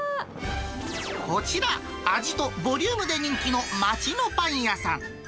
こちら、味とボリュームで人気の街のパン屋さん。